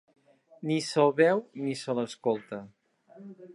Ni se'l veu ni se l'escolta.